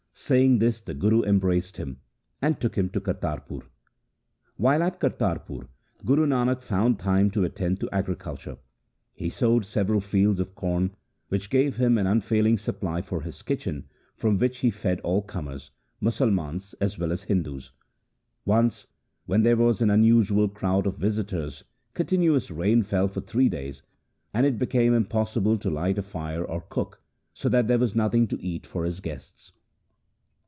Say ing this the Guru embraced him, and took him to Kartarpur. While at Kartarpur Guru Nanak found time to attend to agriculture. He sowed several fields of corn which gave him an unfailing supply for his kitchen, from which he fed all comers, Musalmans as well as Hindus. Once, when there was an unusual crowd of visitors, continuous rain fell for three days, and it became impossible to light a fire or cook, so that there was nothing to eat for his guests.